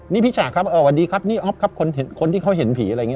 นี่พี่ฉากครับสวัสดีครับนี่อ๊อฟครับคนที่เขาเห็นผีอะไรอย่างนี้